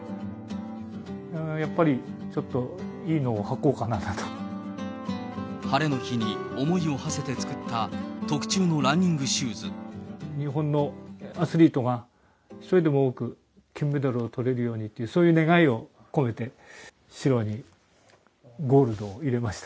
やっぱり、晴れの日に思いをはせて作った、日本のアスリートが、一人でも多く金メダルを取れるようにっていうそういう願いを込めて、白にゴールドを入れました。